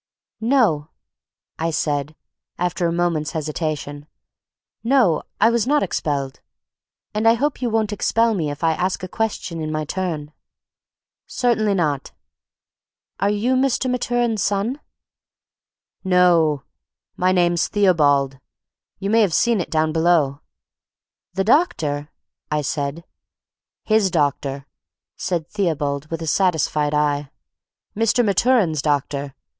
"No," I said, after a moment's hesitation; "no, I was not expelled. And I hope you won't expel me if I ask a question in my turn?" "Certainly not." "Are you Mr. Maturin's son?" "No, my name's Theobald. You may have seen it down below." "The doctor?" I said. "His doctor," said Theobald, with a satisfied eye. "Mr. Maturin's doctor.